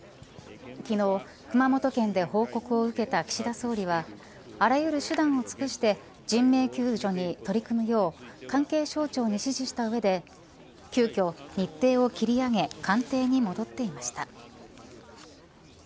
昨日、熊本県で報告を受けた岸田総理はあらゆる手段を尽くして人命救助に取り組むよう関係省庁に指示した上で急きょ日程を切り上げ官邸に戻っていました。